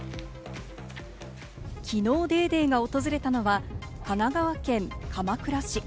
きのう『ＤａｙＤａｙ．』が訪れたのは神奈川県鎌倉市。